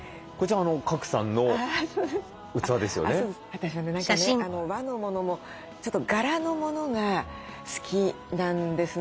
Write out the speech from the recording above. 私はね何かね和のものもちょっと柄のものが好きなんですね。